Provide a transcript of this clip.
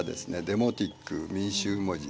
デモティック民衆文字。